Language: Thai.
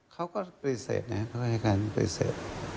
เขาก็กรีเซตนะครับเขาก็ให้การกรีเซต